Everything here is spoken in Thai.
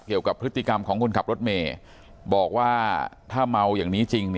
เกี่ยวกับพฤติกรรมของคนขับรถเมย์บอกว่าถ้าเมาอย่างนี้จริง